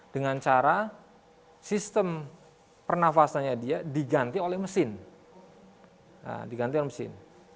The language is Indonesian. dengan cara sistem pernafasannya dia diganti oleh mesin